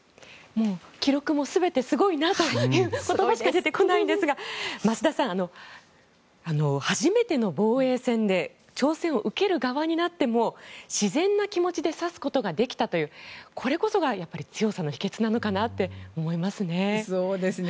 記録も全てすごいなという言葉しか出てこないんですが増田さん、初めての防衛戦で挑戦を受ける側になっても自然な気持ちで指すことができたというこれこそがやっぱり強さの秘けつなのかなって思いますね。